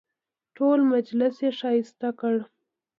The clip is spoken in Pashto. ټول مجلس یې ښایسته کړ.